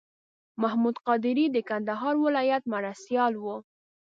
محمد قادري د کندهار ولایت مرستیال و.